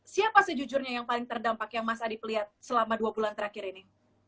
siapa sejujurnya yang paling terdampak yang mas adi pelihat selama dua bulan terakhir ini